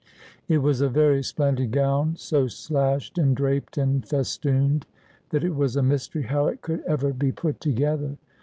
It was a very splendid gown, so slashed, and draped, and festooned, that it was a mystery how it could ever be put together.